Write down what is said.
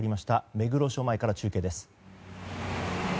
目黒署前から中継です。